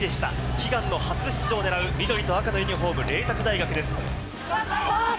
悲願の初出場をねらう緑と赤のユニホーム、麗澤大学です。